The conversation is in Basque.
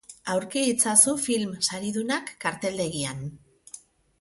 Aurkitu itzazu film saridunak karteldegian.